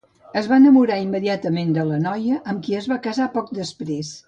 Es va enamorar immediatament de la noia, amb qui es va casar poc després.